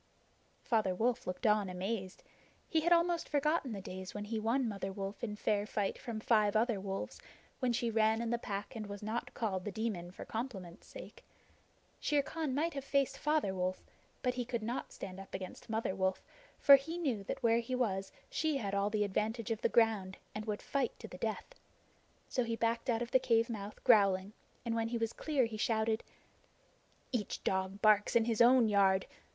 Father Wolf looked on amazed. He had almost forgotten the days when he won Mother Wolf in fair fight from five other wolves, when she ran in the Pack and was not called The Demon for compliment's sake. Shere Khan might have faced Father Wolf, but he could not stand up against Mother Wolf, for he knew that where he was she had all the advantage of the ground, and would fight to the death. So he backed out of the cave mouth growling, and when he was clear he shouted: "Each dog barks in his own yard!